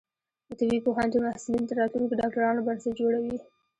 د طبی پوهنتون محصلین د راتلونکي ډاکټرانو بنسټ جوړوي.